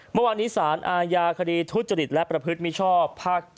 เมื่อวานนี้สารอาญาคดีทุจริตและประพฤติมิชชอบภาค๗